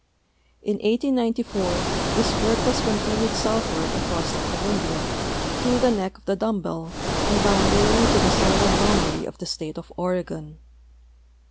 In 1894 this work ^tas con tinued southward across the Columbia through the neck of the dumb bell and down nearly to the southern boundary of the state of Oregon.